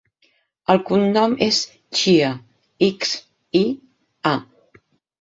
El cognom és Xia: ics, i, a.